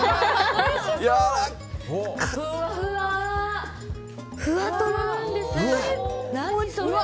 ふわとろなんです。